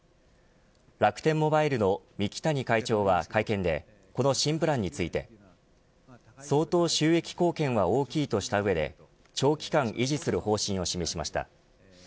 楽天モバイルの三木谷会長は会見でこの新プランについて相当、収益貢献は大きいとした上で長期間維持する方針を示しました。